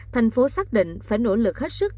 thành phố xác định phải nỗ lực hết sức